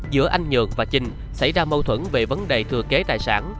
giữa anh nhượng và trinh xảy ra mâu thuẫn về vấn đề thừa kế tài sản